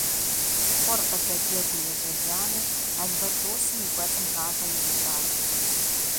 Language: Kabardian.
Хъур къыдэджэгуу ежьэжами, албатросым и кӀуэцӀым гъащӀэ ирищӀат.